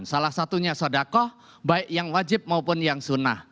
salah satunya sodakoh baik yang wajib maupun yang sunnah